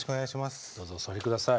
どうぞお座り下さい。